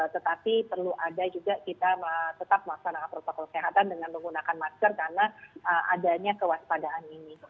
tetapi perlu ada juga kita tetap melaksanakan protokol kesehatan dengan menggunakan masker karena adanya kewaspadaan ini